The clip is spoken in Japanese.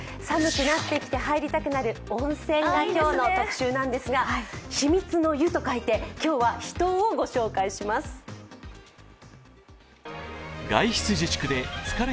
寒くなってきて入りたくなる温泉が今日の特集なんですが、秘密の湯と書いて今日は秘湯をご紹介します。